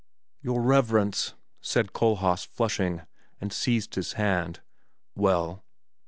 "Your Reverence!" said Kohlhaas flushing, and seized his hand "Well?"